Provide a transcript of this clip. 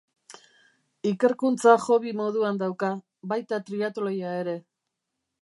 Ikerkuntza hobby moduan dauka, baita triatloia ere.